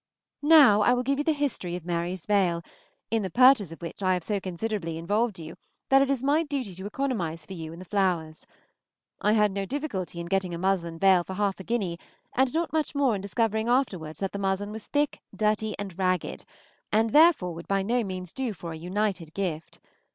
Now I will give you the history of Mary's veil, in the purchase of which I have so considerably involved you that it is my duty to economize for you in the flowers. I had no difficulty in getting a muslin veil for half a guinea, and not much more in discovering afterwards that the muslin was thick, dirty, and ragged, and therefore would by no means do for a united gift.